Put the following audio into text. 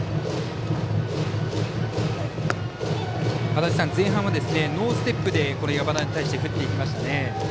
足達さん、前半はノーステップで山田に対して振っていきましたね。